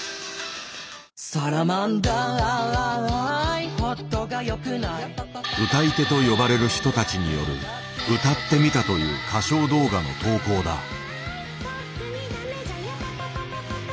「サラマンダーホットが良くない？」「歌い手」と呼ばれる人たちによる「歌ってみた」という歌唱動画の投稿だ。